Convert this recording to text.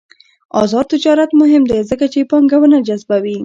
آزاد تجارت مهم دی ځکه چې پانګونه جذبوي.